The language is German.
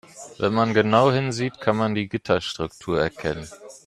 Wenn man genau hinsieht, kann man die Gitterstruktur erkennen.